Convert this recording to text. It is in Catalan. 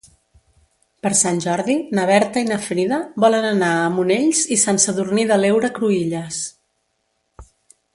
Per Sant Jordi na Berta i na Frida volen anar a Monells i Sant Sadurní de l'Heura Cruïlles.